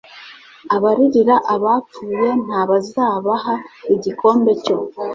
abaririra abapfuye nta bazabaha igikombe cyo